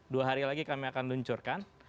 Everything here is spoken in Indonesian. dua hari lagi kami akan luncurkan